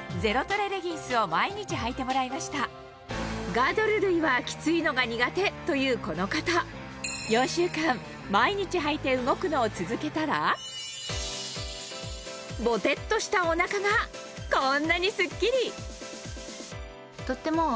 「ガードル類はキツいのが苦手」というこの方４週間毎日履いて動くのを続けたらぼてっとしたお腹がこんなにスッキリ！